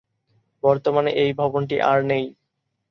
বর্তমানে এই ভবনটি আর নেই।